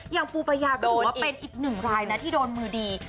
อย่างปูประยากลุ่นโดนว่าเป็นอีกหนึ่งรายนะที่โดนมือดี